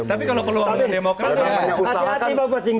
tapi kalau perlu ngomongin demokrat ya